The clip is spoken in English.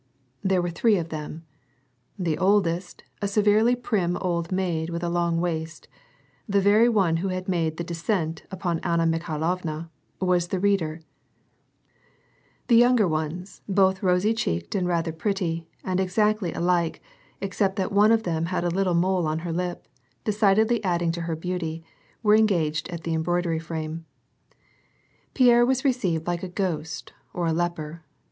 There were three of them. The oldest, a severely prim old maid with a long waist — the very one who had made the de scent upon Anna Mikhailovna, was the reader ; the younger ones, both rosy cheeked and rather pretty, and exactly ali]ke, except that one of them had a little mole on her lip, decidedly adding to her beauty, were engaged at the embroidery frame. Pierre was received like a ghost or a leper.